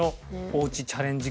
おうちチャレンジ